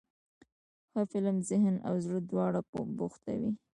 ښه فلم ذهن او زړه دواړه بوختوي.